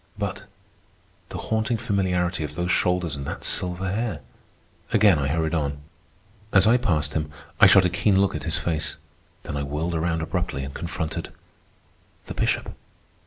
But the haunting familiarity of those shoulders and that silver hair! Again I hurried on. As I passed him, I shot a keen look at his face; then I whirled around abruptly and confronted—the Bishop.